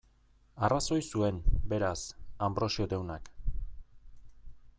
Arrazoi zuen, beraz, Anbrosio deunak.